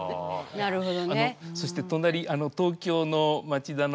なるほど。